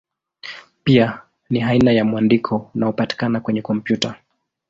Pia ni aina ya mwandiko unaopatikana kwenye kompyuta.